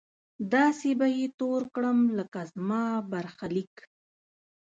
داسې به يې تور کړم لکه زما برخليک!